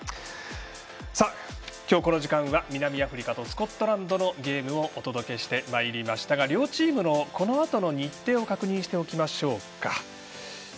今日、この時間は南アフリカとスコットランドのゲームをお届けしてまいりましたが両チームの、このあとの日程を確認しておきましょうか。